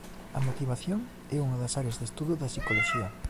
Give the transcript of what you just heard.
A motivación é unha das áreas de estudo da psicoloxía.